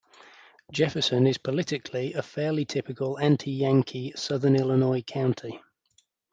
Jefferson is politically a fairly typical "anti-Yankee" Southern Illinois county.